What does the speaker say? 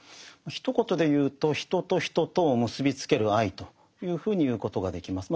ひと言で言うと人と人とを結びつける愛というふうに言うことができます。